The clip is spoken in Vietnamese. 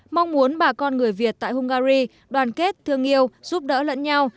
mong muốn bà con người việt tại hungary đoàn kết thương yêu giúp đỡ lẫn nhau